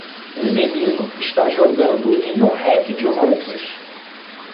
Um menino está jogando em um rack de roupas.